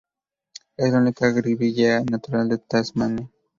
Es la única "Grevillea" natural de Tasmania.